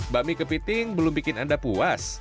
bakmi kepiting belum bikin anda puas